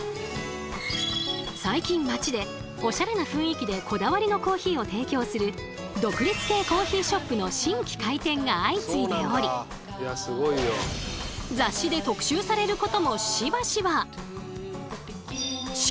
最近街でオシャレな雰囲気でこだわりのコーヒーを提供する独立系コーヒーショップの新規開店が相次いでおり雑誌で特集されることもしばしば。